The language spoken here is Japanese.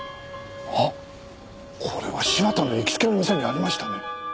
あっこれは柴田の行きつけの店にありましたね。